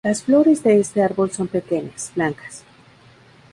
Las flores de este árbol son pequeñas, blancas.